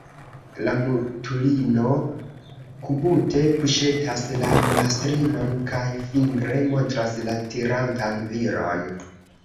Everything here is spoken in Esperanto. La mutulino kubute puŝetas la mastrinon kaj fingre montras la tirantan viron.